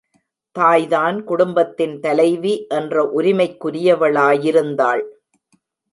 தாய்தான் குடும்பத்தின் தலைவி என்ற உரிமைக்குரியவளாயிருந்தாள்.